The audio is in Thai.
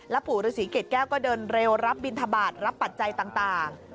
ปู่ฤษีเกรดแก้วก็เดินเร็วรับบินทบาทรับปัจจัยต่าง